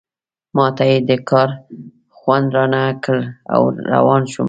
ما ته یې دې کار خوند رانه کړ او روان شوم.